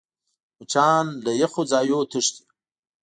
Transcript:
مچان له یخو ځایونو تښتي